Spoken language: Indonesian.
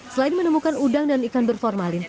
selain menemukan udang dan ikan berformalin